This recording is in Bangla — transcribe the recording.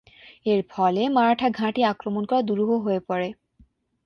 এর ফলে মারাঠা ঘাঁটি আক্রমণ করা দুরূহ হয়ে পড়ে।